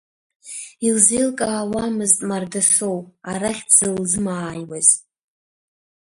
Илзеилкаауамызт Мардасоу арахь дзылзымааиуаз.